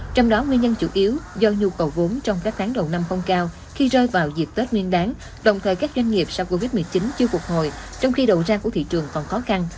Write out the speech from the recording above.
trong đó nguyên nhân chủ yếu do nhu cầu vốn trong các tháng đầu năm không cao khi rơi vào dịp tết nguyên đáng đồng thời các doanh nghiệp sau covid một mươi chín chưa phục hồi trong khi đầu ra của thị trường còn khó khăn